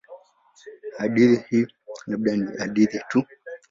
Hadithi hii labda ni hadithi tu.